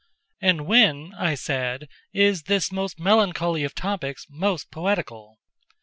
"And when," I said, "is this most melancholy of topics most poetical?"